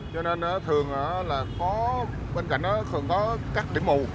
cho nên thường bên cạnh đó có các điểm mù